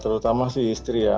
terutama sih istri ya